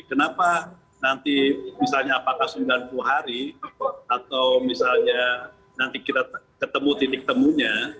kenapa nanti misalnya apakah sembilan puluh hari atau misalnya nanti kita ketemu titik temunya